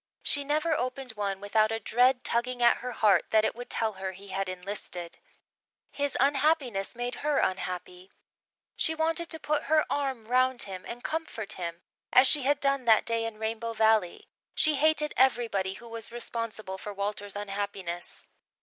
She never opened one without a dread tugging at her heart that it would tell her he had enlisted. His unhappiness made her unhappy. She wanted to put her arm round him and comfort him, as she had done that day in Rainbow Valley. She hated everybody who was responsible for Walter's unhappiness.